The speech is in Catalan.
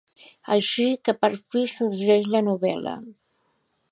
Així que per fi sorgeix la novel·la.